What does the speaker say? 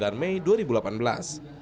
gani aris cianjur